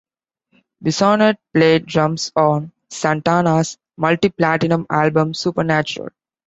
Bissonette played drums on Santana's multi-platinum album "Supernatural".